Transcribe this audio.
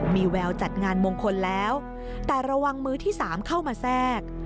มีแววจัดงานมงคลแล้วแต่ระวังมือที่สามเข้ามาแทรก